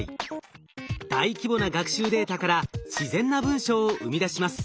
大規模な学習データから自然な文章を生み出します。